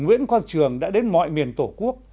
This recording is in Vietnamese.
nguyễn quang trường đã đến mọi miền tổ quốc